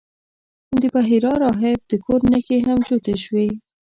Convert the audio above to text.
د بحیرا راهب د کور نښې هم جوتې شوې.